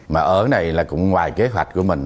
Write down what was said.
mà ở này là cũng ngoài kế hoạch của mình